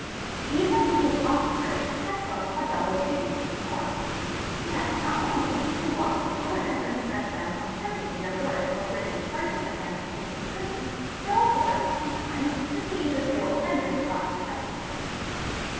The Investigating Officer has thus a double duty to perform. He has "not only to watch his subordinates and prevent them from shirking their ) work or bringing charges against innocent persons, but also at the same | time to see the real offenders brought to justice.